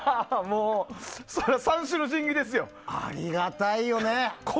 もうそれは三種の神器ですよ。ありがたいよね。